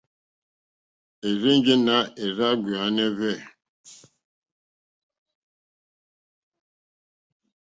Érzènjé nà érzàɡbèáɛ́nɛ́hwɛ́.